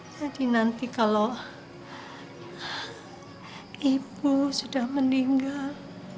jadi nanti kalau ibu sudah meninggal